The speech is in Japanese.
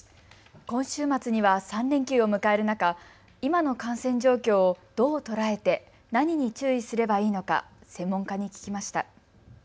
今週末には３連休を迎える中、今の感染状況をどう捉えて何に注意すればいいのか専門家に聞きました。